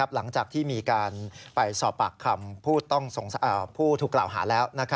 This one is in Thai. หลังจากที่มีการไปสอบปากคำผู้ถูกกล่าวหาแล้ว